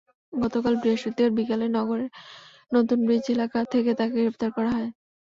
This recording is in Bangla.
গতকাল বৃহস্পতিবার বিকেলে নগরের নতুন ব্রিজ এলাকা থেকে তাঁকে গ্রেপ্তার করা হয়।